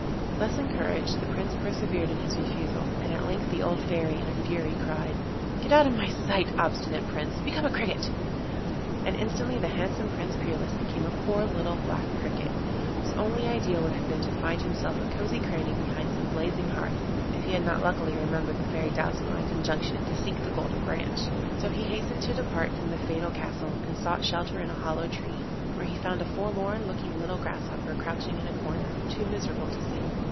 Thus encouraged, the Prince persevered in his refusal, and at length the old Fairy in a fury cried: 'Get out of my sight, obstinate Prince. Become a Cricket!' And instantly the handsome Prince Peerless became a poor little black Cricket, whose only idea would have been to find himself a cosy cranny behind some blazing hearth, if he had not luckily remembered the Fairy Douceline's injunction to seek the Golden Branch. So he hastened to depart from the fatal castle, and sought shelter in a hollow tree, where he found a forlorn looking little Grasshopper crouching in a corner, too miserable to sing.